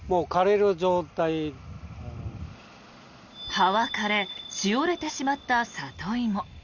葉は枯れしおれてしまったサトイモ。